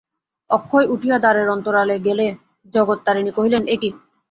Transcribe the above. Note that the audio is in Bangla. অক্ষয় উঠিয়া দ্বারের অন্তরালে গেলে জগত্তারিণী কহিলেন, এ কী!